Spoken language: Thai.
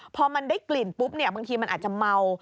พอมันได้กลิ่นปุ๊บเนี่ยบางทีมันอาจจะเมา